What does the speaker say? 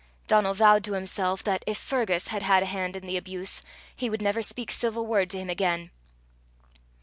Donal vowed to himself, that, if Fergus had had a hand in the abuse, he would never speak civil word to him again.